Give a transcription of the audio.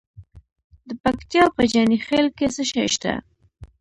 د پکتیا په جاني خیل کې څه شی شته؟